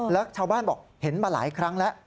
แล้วชาวบ้านบอกเห็นมาหลายครั้งแล้ว